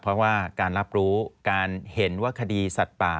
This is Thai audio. เพราะว่าการรับรู้การเห็นว่าคดีสัตว์ป่า